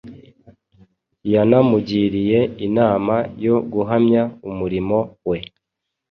Yanamugiriye inama yo guhamya umurimo we